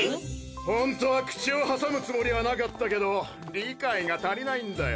ホントは口を挟むつもりはなかったけど理解が足りないんだよ。